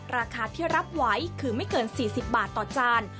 ราคาที่รับไหวคือไม่เกิน๔๐บาทต่อจาน